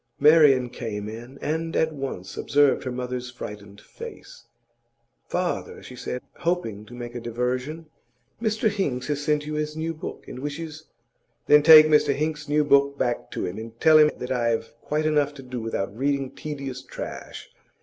Marian came in, and at once observed her mother's frightened face. 'Father,' she said, hoping to make a diversion, 'Mr Hinks has sent you his new book, and wishes ' 'Then take Mr Hinks's new book back to him, and tell him that I have quite enough to do without reading tedious trash.